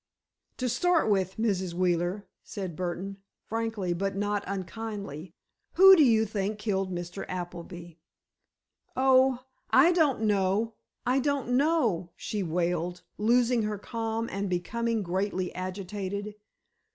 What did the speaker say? "To start with, Mrs. Wheeler," said Burdon, frankly but not unkindly, "who do you think killed Mr. Appleby?" "Oh—I don't know—I don't know," she wailed, losing her calm and becoming greatly agitated.